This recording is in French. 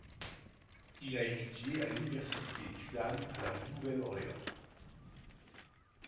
Il a étudié à l'université Tulane à La Nouvelle-Orléans.